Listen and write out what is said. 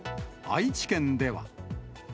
愛知県では。